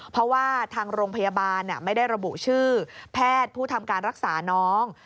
เพราะว่าทางโรงพยาบาลไม่ได้ระบุชื่อแพทย์ผู้ทำการรักษาน้อง